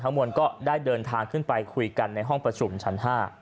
มวลก็ได้เดินทางขึ้นไปคุยกันในห้องประชุมชั้น๕